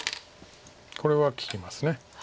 これは利きます。